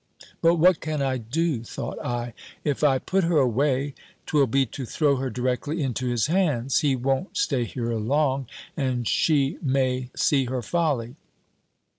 "But what can I do?" thought I. "If I put her away, 'twill be to throw her directly into his hands. He won't stay here long: and she may see her folly.